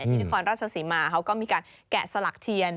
นครราชศรีมาเขาก็มีการแกะสลักเทียน